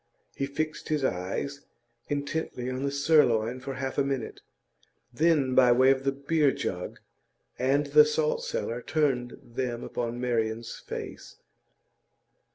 He fixed his eyes intently on the sirloin for half a minute; then, by way of the beer jug and the salt cellar, turned them upon Marian's face.